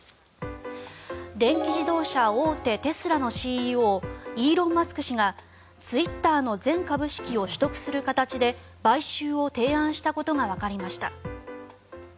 電気自動車大手テスラのＣＥＯ、イーロン・マスク氏がツイッターの全株式を取得する形で買収を提案したことがわかりました。